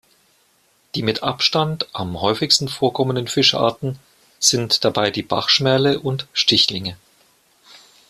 Die mit Abstand am häufigsten vorkommenden Fischarten sind dabei die Bachschmerle und Stichlinge.